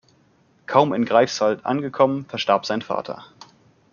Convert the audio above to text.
Kaum in Greifswald angekommen, verstarb sein Vater.